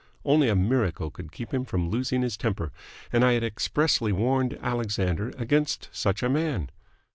Only a miracle could keep him from losing his temper, and I had expressly warned Alexander against such a man.